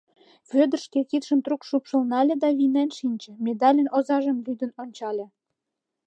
Вӧдыр шке кидшым трук шупшыл нале да вийнен шинче, медальын озажым лӱдын ончале.